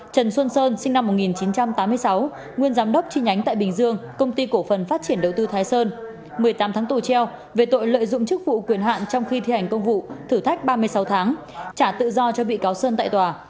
trần xuân sơn sinh năm một nghìn chín trăm tám mươi sáu nguyên giám đốc chi nhánh tại bình dương công ty cổ phần phát triển đầu tư thái sơn một mươi tám tháng tù treo về tội lợi dụng chức vụ quyền hạn trong khi thi hành công vụ thử thách ba mươi sáu tháng trả tự do cho bị cáo sơn tại tòa